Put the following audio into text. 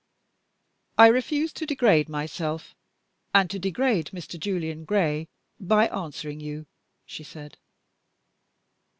"I refuse to degrade myself, and to degrade Mr. Julian Gray, by answering you," she said.